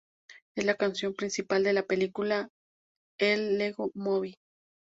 Es la canción principal de la película "The Lego Movie".